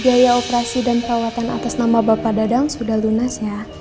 biaya operasi dan perawatan atas nama bapak dadang sudah lunas ya